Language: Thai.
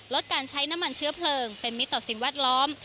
ลดการใช้น้ำมันเชื้อเพลิงเป็นมิตรต่อสิ่งแวดล้อม